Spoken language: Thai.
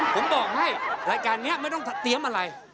ผมบอกให้รายการนี้ไม่ต้องเตรียมอะไร